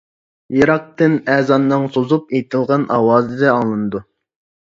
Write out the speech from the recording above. يىراقتىن ئەزاننىڭ سوزۇپ ئېيتىلغان ئاۋازى ئاڭلىنىدۇ.